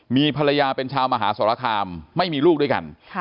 มีภรรยาเป็นชาวมหาสรคามไม่มีลูกด้วยกัน